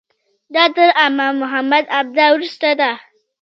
دا تر امام محمد عبده وروسته ده.